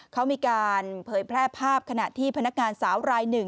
เขามีการเผยแพร่ภาพขณะที่พนักงานสาวรายหนึ่ง